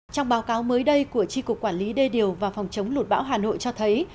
trong báo cáo mới đây của tri cục quản lý đê điều và phòng chống lụt bão hà nội cho thấy